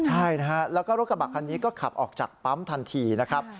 ใช่นะฮะแล้วก็รถกระบะคันนี้ก็ขับออกจากปั๊มทันทีนะครับ